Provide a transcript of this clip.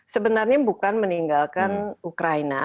sebenarnya bukan meninggalkan ukraina